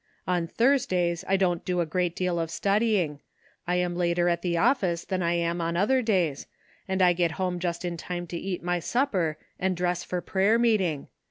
"On Thursdays I don't do a great deal of studying ; I am later at the oflSce than I am on other days, and I get home just in time to eat my supper, and dress for prayer meeting.